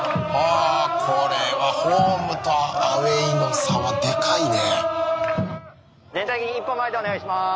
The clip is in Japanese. あこれはホームとアウェーの差はでかいね。